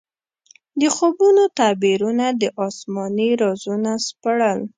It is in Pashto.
د خوبونو تعبیرونه دې اسماني رازونه سپړل.